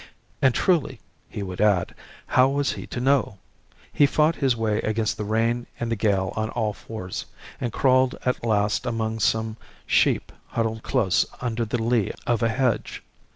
And truly he would add how was he to know? He fought his way against the rain and the gale on all fours, and crawled at last among some sheep huddled close under the lee of a hedge.